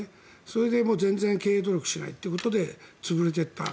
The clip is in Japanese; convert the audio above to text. それで、全然経営努力しないということで潰れていった。